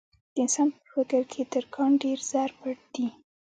د انسان په فکر کې تر کان ډېر زر پټ دي.